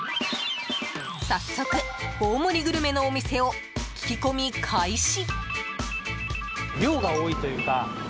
早速、大盛りグルメのお店を聞き込み開始。